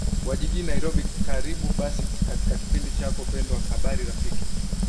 wa jijini nairobi karibu basi katika kipindi chako pendwa habari rafiki